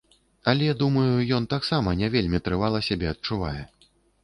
Але, думаю, ён таксама не вельмі трывала сябе адчувае.